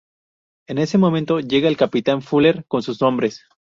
En ese momento, llega el capitán Fuller con sus hombres.